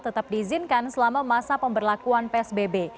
tetap diizinkan selama masa pemberlakuan psbb